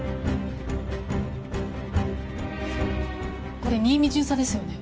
これ新見巡査ですよね？